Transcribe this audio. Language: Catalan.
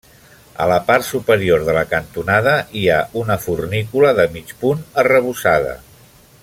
A la part superior de la cantonada hi ha una fornícula de mig punt arrebossada.